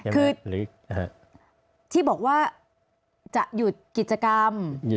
คือที่บอกว่าจะหยุดกิจกรรม